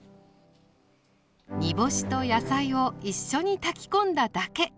煮干しと野菜を一緒に炊き込んだだけ。